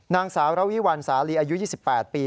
นางสาวระวิวัลสาลีอายุ๒๘ปี